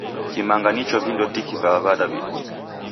Kimanga nicho vindo tiki va W'adaw'ida.